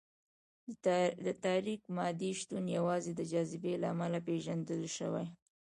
د تاریک مادې شتون یوازې د جاذبې له امله پېژندل شوی.